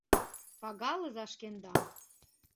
Пагалыза шкендам